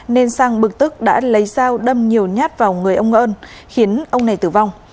nên sang bực tức đã lấy dao đâm nhiều nhát vào người ông ơn khiến ông này tử vong